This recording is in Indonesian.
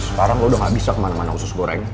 sekarang udah gak bisa kemana mana khusus goreng